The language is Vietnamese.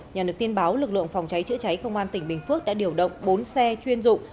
nhà nước tin báo lực lượng phòng cháy chữa cháy công an tỉnh bình phước đã điều động bốn xe chuyên dụng